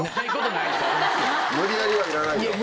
無理やりはいらないよ。